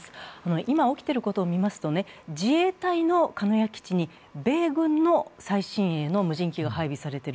今起きていることを見ますと、自衛隊の鹿屋基地に米軍の最新鋭の無人機が配備されている。